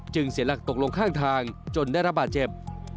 เสียหลักตกลงข้างทางจนได้รับบาดเจ็บ